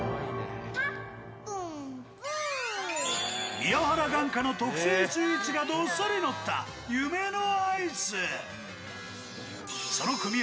宮原眼科の特製スイーツがどっさりのった夢のアイス。